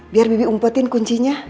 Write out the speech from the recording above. biar bibi umpetin kuncinya